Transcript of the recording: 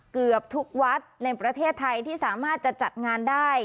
เกือบทุกวัดในประเทศไทยที่สามารถจะจัดงานได้